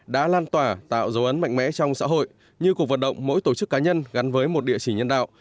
tạo dấu ấn mạnh mẽ trong xã hội như cuộc vận động mỗi tổ chức cá nhân gắn với một địa chỉ nhân đạo